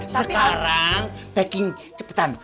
sekarang packing cepetan